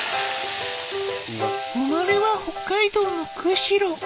生まれは北海道の釧路。